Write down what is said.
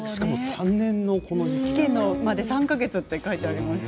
試験まで３か月と書いてありました。